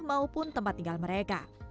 maupun tempat tinggal mereka